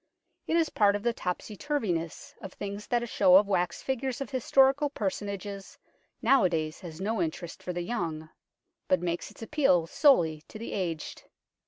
It is part of the topsy turviness of things that a show of wax figures of historical personages nowadays has no interest for the young, but makes its appeal solely to the aged.